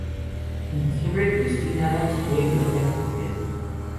En noviembre, Christine Adams fue elegida como Mira.